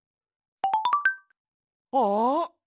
あっ！